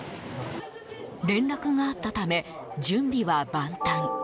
連絡があったため、準備は万端。